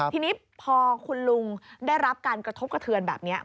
ทีนี้พอคุณลุงได้รับการกระทบกระเทือนแบบนี้